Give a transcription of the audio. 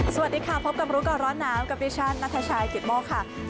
สวัสดีค่ะพบกับรู้ก่อนร้อนหนาวกับดิฉันนัทชายกิตโมกค่ะ